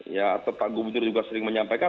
ya tepang gubernur juga sering menyampaikan